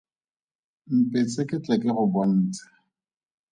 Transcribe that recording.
Mpetse ke tle ke go bontshe!